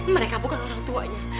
mereka bukan orang tuanya